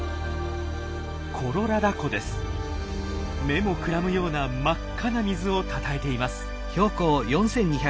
目もくらむような真っ赤な水をたたえています。